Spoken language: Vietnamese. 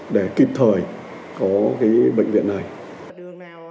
để kịp thời có cái bệnh viện này